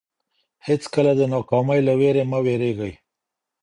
هیڅکله د ناکامۍ له وېرې مه وېرېږئ.